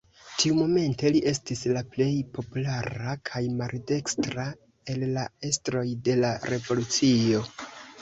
Tiumomente li estis la plej populara kaj maldekstra el la estroj de la revolucio.